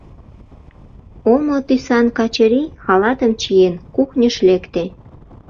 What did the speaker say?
Омо тӱсан Качырий, халатым чиен, кухньыш лекте.